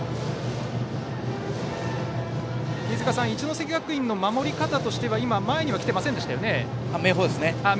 飯塚さん、明豊の守り方としては今、前には来ていませんでしたね。